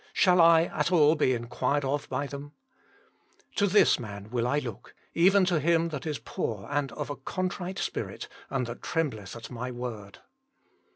Shall I at all be inquired of by them ?"" To this man will I look, even to him that is poor and of a contrite spirit, and that trembleth at My word."